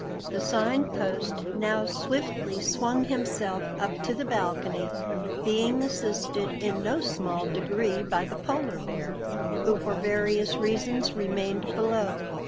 The Sign Post now swiftly swung himself up to the balcony, being assisted in no small degree by the Polar Bear, who for various reasons remained below.